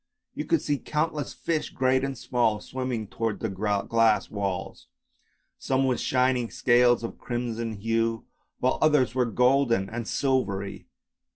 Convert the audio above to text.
You could see countless fish, great and small, swimming towards the glass walls, some with shining scales of crimson hue, while others were golden and silvery.